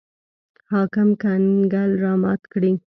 حاکم کنګل رامات کړي.